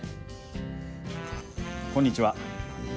こんにちは。